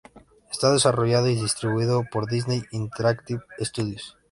Está desarrollado y distribuido por Disney Interactive Studios.